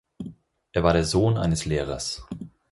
Er war der Sohn eines Lehrers.